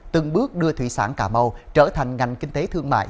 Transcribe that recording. từng bước đưa thủy sản cà mau trở thành ngành kinh tế thương mại